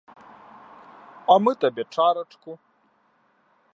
А мы табе чарачку.